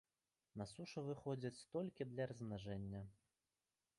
На сушу выходзяць толькі для размнажэння.